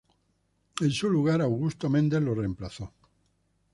En su lugar, Augusto Mendes lo reemplazó.